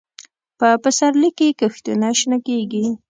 په پسرلي کې کښتونه شنه کېږي.